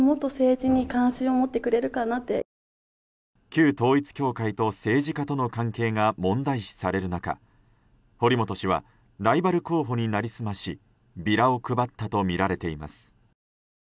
旧統一教会と政治家との関係が問題視される中堀本氏はライバル候補に成り済ましビラを配ったとみられています。